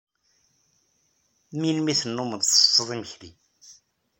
Melmi tennummeḍ tsetteḍ imekli?